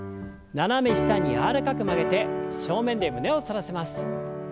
斜め下に柔らかく曲げて正面で胸を反らせます。